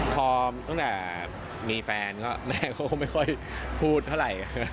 พอตั้งแต่มีแฟนก็แม่เขาก็ไม่ค่อยพูดเท่าไหร่